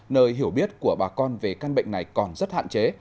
nơi hiểu biết của bà con về căn bệnh này còn rất hạn chế